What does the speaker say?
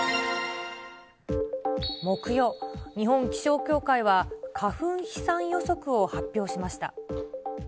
木曜、日本気象協会は、花粉飛散予測を発表しました。